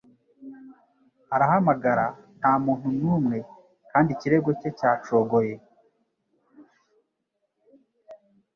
Arahamagara Nta muntu n'umwe Kandi ikirego cye cyacogoye